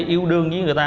yêu đương với người ta